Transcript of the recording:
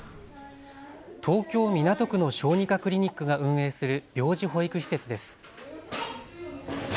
東京港区の小児科クリニックが運営する病児保育施設です。